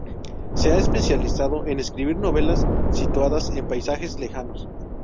Se ha especializado en escribir novelas situadas en países lejanos.